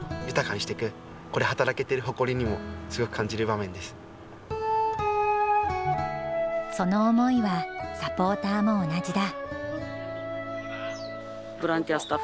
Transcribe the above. それでもその思いはサポーターも同じだ。